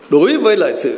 đối với lại sự